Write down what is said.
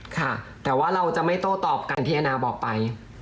ค่ะแต่ว่าเราจะไม่โต้ตอบกันที่แอนนาบอกไป